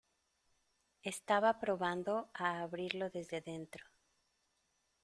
estaba probando a abrirlo desde dentro.